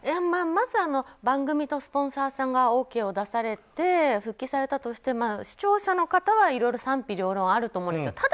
まず番組とスポンサーさんがＯＫを出されて復帰されたとして、視聴者の方はいろいろ賛否両論あると思うんですよ。